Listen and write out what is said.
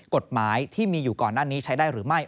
กฎหมายที่มีอยู่ก่อนหน้านี้ใช้ได้หรือไม่